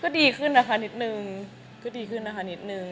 ก็ดีขึ้นนะคะนิดนึงก็ดีขึ้นนะคะนิดนึง